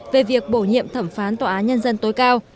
về việc bổ nhiệm thẩm phán tòa án nhân dân tối cao